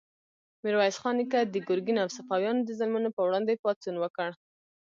میرویس خان نیکه د ګرګین او صفویانو د ظلمونو په وړاندې پاڅون وکړ.